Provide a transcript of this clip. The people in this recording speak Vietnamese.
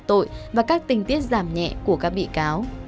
tội và các tình tiết giảm nhẹ của các bị cáo